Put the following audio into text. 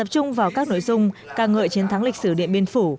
chung vào các nội dung ca ngợi chiến thắng lịch sử địa biên phủ